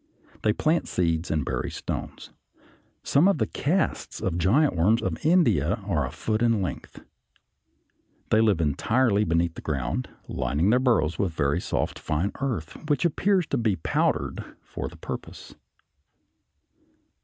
They plant seeds and bury stones. Some of the casts of giant worms of India are a foot in length. They live entirely beneath the ground, lining their burrows with very soft fine earth, which appears to be powdered for the purpose.